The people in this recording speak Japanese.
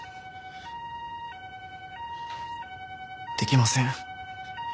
できません。